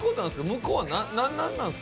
向こうは何なんすか？